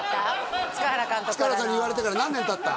塚原さんに言われてから何年たった？